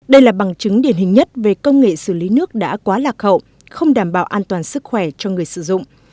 đây là bằng chứng điển hình nhất về công nghệ xử lý nước đã quá lạc hậu không đảm bảo an toàn sức khỏe cho người sử dụng